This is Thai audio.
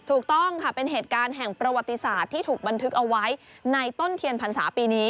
ถูกต้องค่ะเป็นเหตุการณ์แห่งประวัติศาสตร์ที่ถูกบันทึกเอาไว้ในต้นเทียนพรรษาปีนี้